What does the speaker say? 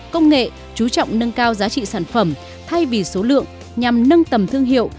công nghệ chú trọng nâng cao giá trị sản phẩm thay vì số lượng nhằm nâng tầm thương hiệu